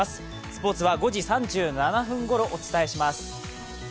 スポーツは５時３７分ごろお伝えします。